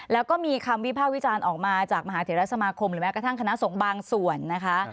แล้วก็มีคำวิภาควิจารณ์ออกมาจากมหาเทราสมาคมหรือแม้กระทั่งคณะสงฆ์บางส่วนนะคะ